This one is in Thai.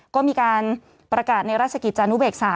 ก็มีการประกาศในราชกิจจานุเบกษา